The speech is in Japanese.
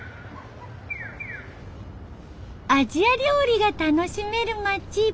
アジア料理が楽しめる町。